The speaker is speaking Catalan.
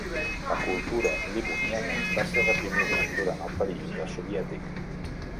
La cultura livoniana va ser reprimida durant el període soviètic.